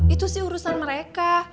itu sih urusan mereka